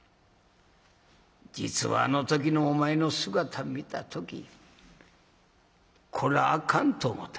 実はあの時のお前の姿見た時『こらあかん』と思た。